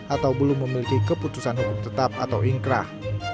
atau belum memiliki keputusan hukum tetap atau ingkrah